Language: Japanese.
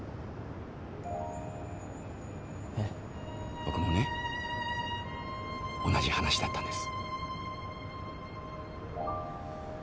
僕もね同じ話だったんです。